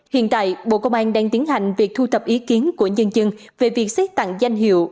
hiện tại bộ công an đang tiến hành việc thu thập ý kiến của nhân dân về việc xét tặng danh hiệu